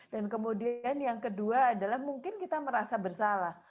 kemudian yang kedua adalah mungkin kita merasa bersalah